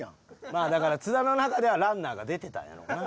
まあだから津田の中ではランナーが出てたんやろうな。